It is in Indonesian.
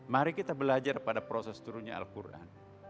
mari kita belajar pada proses turunnya al quran